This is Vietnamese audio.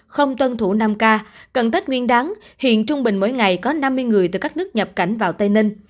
không tuân thủ năm k cận tết nguyên đáng hiện trung bình mỗi ngày có năm mươi người từ các nước nhập cảnh vào tây ninh